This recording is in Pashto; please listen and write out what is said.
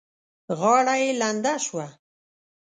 غاړه يې لنده شوه.